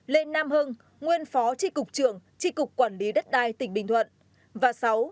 năm lê nam hưng nguyên phó tri cục trưởng tri cục quản lý đất đai tỉnh bình thuận